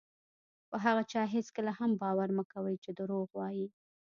په هغه چا هېڅکله هم باور مه کوئ چې دروغ وایي.